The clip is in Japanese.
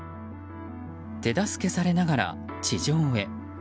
手助けされながら、地上へ。